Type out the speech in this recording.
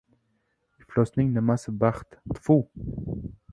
— Iflosning nimasi baxt, t-fu!